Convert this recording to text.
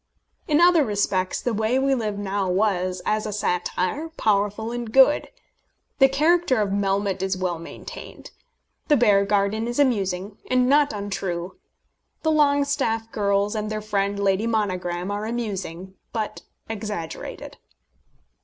In other respects The Way We Live Now was, as a satire, powerful and good. The character of Melmotte is well maintained. The Beargarden is amusing, and not untrue. The Longestaffe girls and their friend, Lady Monogram, are amusing, but exaggerated.